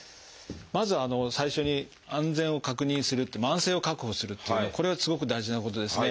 まず最初に安全を確認するっていう安静を確保するっていうのはこれはすごく大事なことですね。